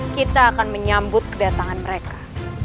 kita akan menyambut kedatangan mereka